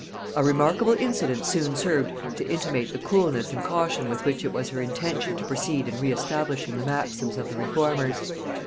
A remarkable incident soon served to intimate the coolness and caution with which it was her intention to proceed in re establishing the maxims of the reformers.